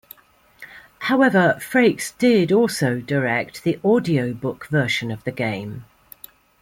However, Frakes did also direct the audiobook version of the game.